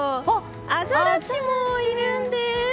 アザラシもいるんです。